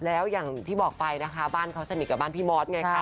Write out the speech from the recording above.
แล้วอย่างที่บอกไปนะคะบ้านเขาสนิทกับบ้านพี่มอสไงค่ะ